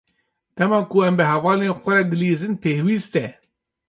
Dema ku em bi hevalên xwe re dilîzin, pêwîst e.